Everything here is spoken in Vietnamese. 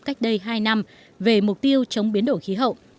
cách đây hai năm về mục tiêu chống biến đổi khí hậu